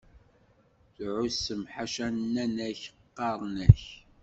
Tɛussem ḥaca nnan-ak qqaren-ak!